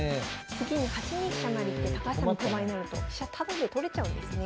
次に８二飛車成って高橋さんの手番になると飛車タダで取れちゃうんですね。